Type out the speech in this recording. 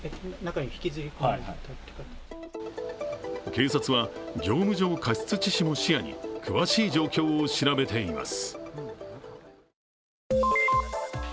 警察は業務上過失致死も視野に詳しい状況を調べています。